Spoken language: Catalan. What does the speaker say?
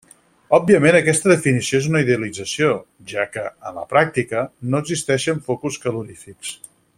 Òbviament aquesta definició és una idealització, ja que, en la pràctica, no existeixen focus calorífics.